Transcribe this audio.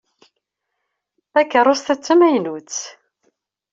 Takeṛṛust-a d tamaynutt.